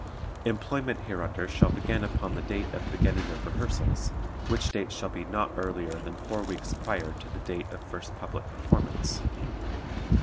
Employment hereunder shall begin upon the date of beginning of rehearsals, which date shall be not earlier than four weeks prior to the date of first public performance.